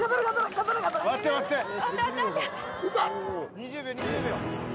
２０秒２０秒。